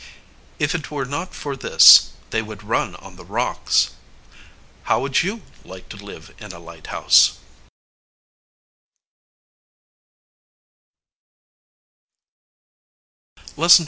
If it were not for this, they would run on the rocks. How would you like to live in a lighthouse?